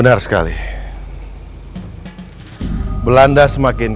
kamu di sini aku biar pada kini